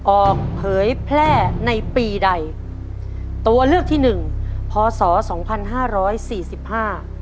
เผยแพร่ในปีใดตัวเลือกที่หนึ่งพศสองพันห้าร้อยสี่สิบห้า